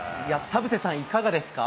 田臥さん、いかがですか？